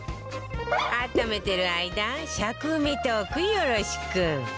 温めてる間尺埋めトークよろしく